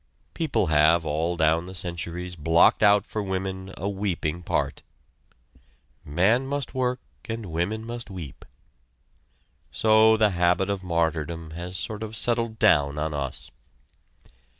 People have all down the centuries blocked out for women a weeping part. "Man must work and women must weep." So the habit of martyrdom has sort of settled down on us.